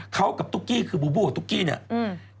เขากับตุ๊กกี้คือบูบูกับตุ๊กกี้เนี่ยอืม